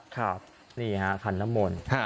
ครับนี่ฮะคันน้ำมนต์